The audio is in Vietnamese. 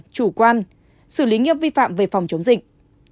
chủ quan xử lý nghiêm vi phạm về phòng chống dịch